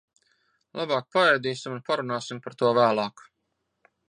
Labāk paēdīsim un parunāsim par to vēlāk.